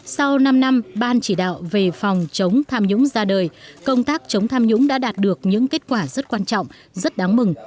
sau năm năm ban chỉ đạo về phòng chống tham nhũng ra đời công tác chống tham nhũng đã đạt được những kết quả rất quan trọng rất đáng mừng